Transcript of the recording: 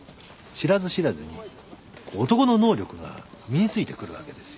知らず知らずに男の能力が身に付いてくるわけですよ。